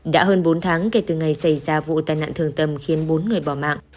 đã hơn bốn tháng kể từ ngày xảy ra vụ tai nạn thường tầm khiến bốn người bỏ mạng